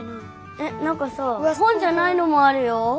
えっなんかさほんじゃないのもあるよ。